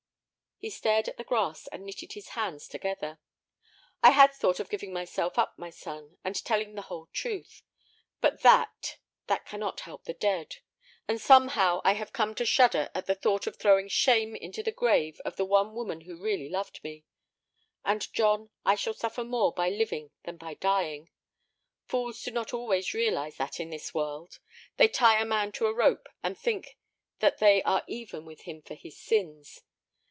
He stared at the grass and knitted his hands together. "I had thought of giving myself up, my son, and telling the whole truth. But that—that cannot help the dead. And somehow I have come to shudder at the thought of throwing shame into the grave of the one woman who really loved me. And, John, I shall suffer more by living than by dying. Fools do not always realize that in this world. They tie a man to a rope, and think that they are even with him for his sins.